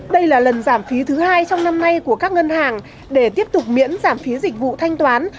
đây là lần giảm phí thứ hai trong năm nay của các ngân hàng để tiếp tục miễn giảm phí dịch vụ thanh toán